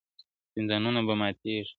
• زندانونه به ماتيږي -